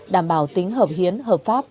đảm bảo tính hợp hiến hợp pháp